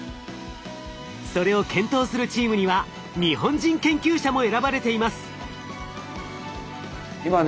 それを検討するチームには日本人研究者も選ばれています。